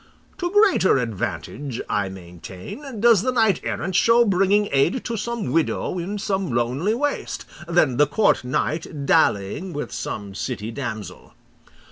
To greater advantage, I maintain, does the knight errant show bringing aid to some widow in some lonely waste, than the court knight dallying with some city damsel.